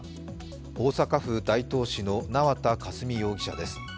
大阪府大東市の縄田佳純容疑者です。